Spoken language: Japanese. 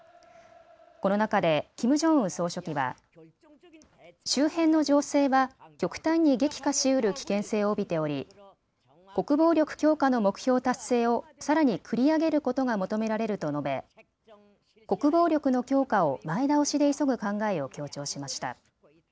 この中でキム・ジョンウン総書記は周辺の情勢は極端に激化しうる危険性を帯びており国防力強化の目標達成をさらに繰り上げることが求められると述べ、国防力の強化を前倒しで急ぐ考えを強調しました。